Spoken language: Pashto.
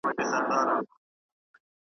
هسی نه چي را ته په قار یا لږ ترلږه خوابدي سي .